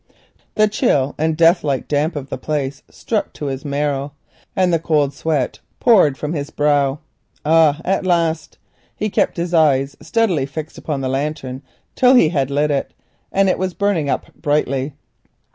The chill and death like damp of the place struck to his marrow and the cold sweat poured from his brow. Ah! at last! He kept his eyes steadily fixed upon the lantern till he had lit it and the flame was burning brightly.